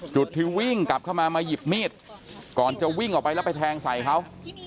จุดที่วิ่งกลับเข้ามามาหยิบมีดก่อนจะวิ่งออกไปแล้วไปแทงใส่เขา